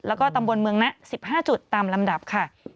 แล้วก็ตำบลเมืองนะ๑๕จุดตามลำดับค่ะ